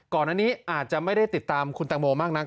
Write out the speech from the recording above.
ก่อนอันนี้อาจจะไม่ได้ติดตามคุณตังโมมากนัก